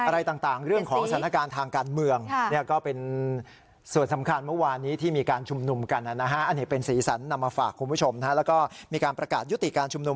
มาฝากคุณผู้ชมนะฮะแล้วก็มีการประกาศยุติการชุมนุม